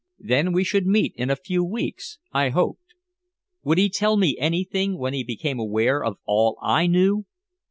Then we should meet in a few weeks I hoped. Would he tell me anything when he became aware of all I knew?